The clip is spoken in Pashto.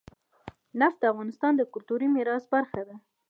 نفت د افغانستان د کلتوري میراث برخه ده.